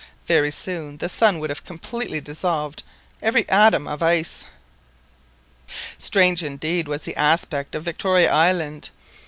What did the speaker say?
Very soon the sun would have completely dissolved every atom of ice. Strange indeed was the aspect of Victoria Island.